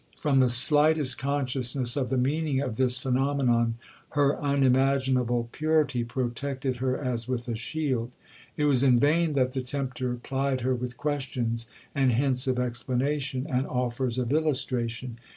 From the slightest consciousness of the meaning of this phenomenon, her unimaginable purity protected her as with a shield. It was in vain that the tempter plied her with questions, and hints of explanation, and offers of illustration.